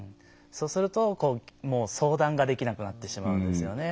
そうすると相談ができなくなってしまうんですよね。